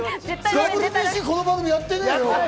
ＷＢＣ、この番組やってねえよ？